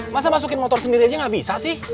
masa masukin motor sendiri aja nggak bisa sih